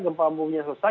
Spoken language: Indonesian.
gempa bumi sudah selesai